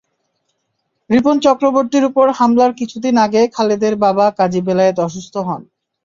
রিপন চক্রবর্তীর ওপর হামলার কিছুদিন আগে খালেদের বাবা কাজী বেলায়েত অসুস্থ হন।